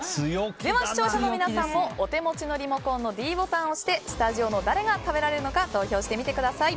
では視聴者の皆さんもお手持ちのリモコンのｄボタンを押してスタジオの誰が食べられるのか投票してみてください。